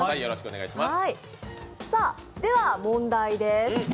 では問題です。